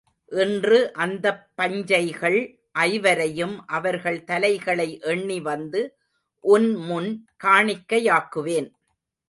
இன்று அந்தப் பஞ்சைகள் ஐவரையும் அவர்கள் தலைகளை எண்ணி வந்து உன் முன் காணிக்கையாக்குவேன்.